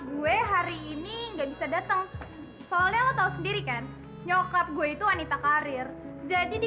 gue hari ini nggak bisa datang soalnya lo tahu sendiri kan nyokap gue itu wanita karir jadi di